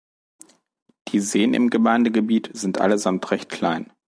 Die Seen im Gemeindegebiet sind allesamt recht klein.